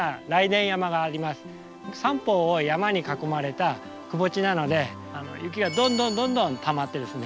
三方を山に囲まれたくぼ地なので雪がどんどんどんどんたまってですね